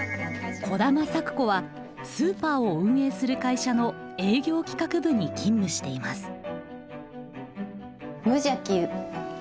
兒玉咲子はスーパーを運営する会社の営業企画部に勤務しています。